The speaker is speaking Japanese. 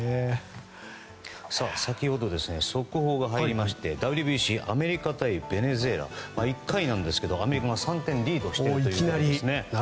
先ほど、速報が入りましてＷＢＣ、アメリカ対ベネズエラ１回なんですがアメリカが３点リードしているということですね。